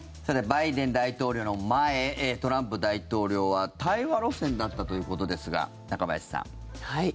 バイデン大統領の前トランプ大統領は対話路線だったということですが中林さん。